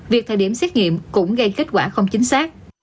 việc thời điểm xét nghiệm cũng gây kết quả không chính xác